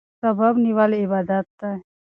سبب نیول عبادت دی.